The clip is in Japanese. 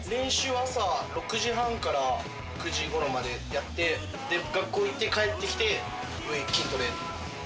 朝６時半から９時頃までやって、学校行って帰ってきて、筋トレ。